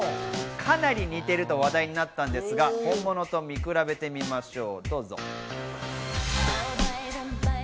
かなり似ていると話題になったんですが、本物と見比べてみましょう。